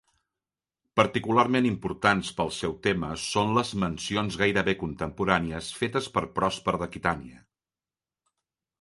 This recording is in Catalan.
Particularment importants per al seu tema són les mencions gairebé contemporànies fetes per Prosper d'Aquitània.